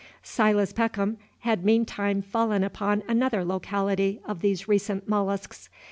Silas Peckham had meantime fallen upon another locality of these recent mollusks.